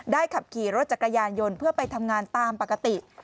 ขับขี่รถจักรยานยนต์เพื่อไปทำงานตามปกติ